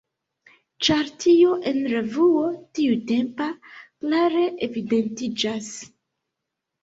Ĉar tio en revuo tiutempa klare evidentiĝas.